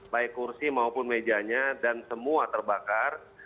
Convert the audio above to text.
baik kursi maupun mejanya dan semua terbakar